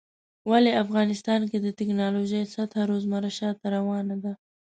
ولی افغانستان کې د ټيکنالوژۍ سطحه روزمره شاته روانه ده